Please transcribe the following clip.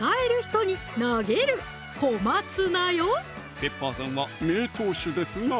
ペッパーさんは名投手ですな